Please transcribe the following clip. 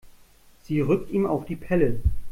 Sie rückt ihm auf die Pelle.